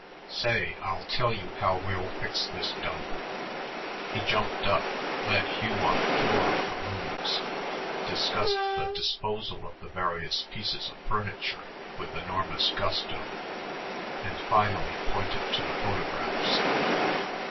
Say, I'll tell you how we fix this dump." He jumped up, led Hugh on a tour of the rooms, discussed the disposal of the various pieces of furniture with enormous gusto, and finally pointed to the photographs.